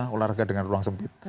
kita bisa bergerak dengan ruang sempit